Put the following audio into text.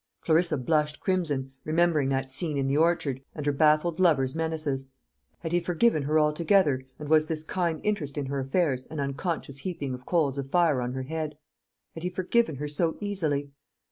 Clarissa blushed crimson, remembering that scene in the orchard, and her baffled lover's menaces. Had he forgiven her altogether, and was this kind interest in her affairs an unconscious heaping of coals of fire on her head? Had he forgiven her so easily?